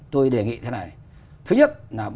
tôi đề nghị thế này thứ nhất là